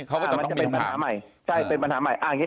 ใช่มันก็จะเป็นปัญหาใหม่